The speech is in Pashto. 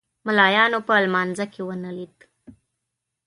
ملایانو په لمانځه کې ونه لید.